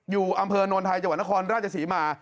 อยู่อำเภอโนนไทยจังหวัดนครราชศรีมา